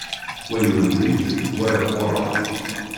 Wa yundi-tt, wa iquṛeɛ-tt.